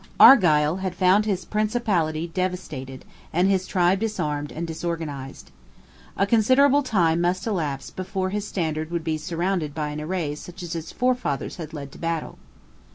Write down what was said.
Argyle had found his principality devastated, and his tribe disarmed and disorganized. A considerable time must elapse before his standard would be surrounded by an array such as his forefathers had led to battle.